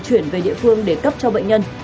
chuyển về địa phương để cấp cho bệnh nhân